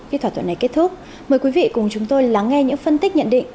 khi thỏa thuận này kết thúc mời quý vị cùng chúng tôi lắng nghe những phân tích nhận định